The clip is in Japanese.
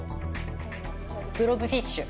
ブロブフィッシュ。